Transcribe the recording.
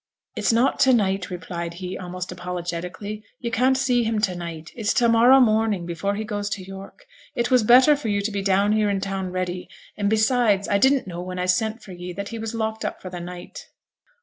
'It's not to night,' replied he, almost apologetically. 'You can't see him to night; it's to morrow morning before he goes to York; it was better for yo' to be down here in town ready; and beside I didn't know when I sent for ye that he was locked up for the night.'